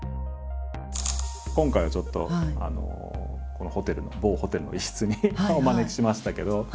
今回はちょっとこのホテルの某ホテルの一室にお招きしましたけど。